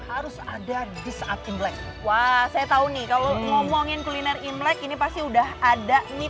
harus ada di saat imlek wah saya tahu nih kalau ngomongin kuliner imlek ini pasti udah ada nih